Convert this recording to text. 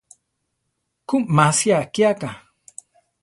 Ku masia akíaka.